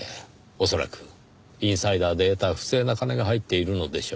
恐らくインサイダーで得た不正な金が入っているのでしょう。